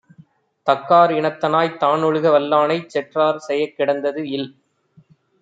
தக்காரினத்தனாய்த் தானொழுக வல்லானைச் செற்றார் செயக்கிடந்தது இல்.